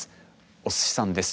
おすしさんです。